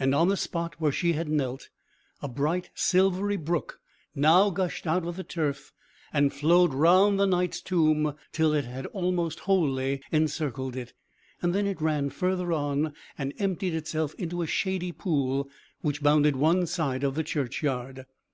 and on the spot where she had knelt, a bright silvery brook now gushed out of the turf, and flowed round the Knight's tomb, till it had almost wholly encircled it; then it ran further on, and emptied itself into a shady pool which bounded one side of the churchyard.